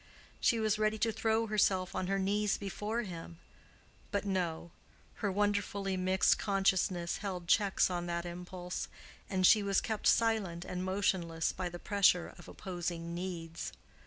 She was ready to throw herself on her knees before him; but no—her wonderfully mixed consciousness held checks on that impulse, and she was kept silent and motionless by the pressure of opposing needs.